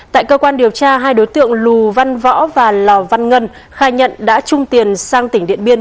tại cơ quan điều tra hai đối tượng lù văn võ và lò văn ngân khai nhận đã chung tiền sang tỉnh điện biên